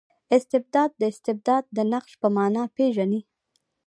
استبداد د استبداد د نقش په مانا پېژني.